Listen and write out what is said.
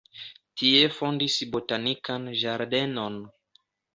Tie fondis botanikan ĝardenon.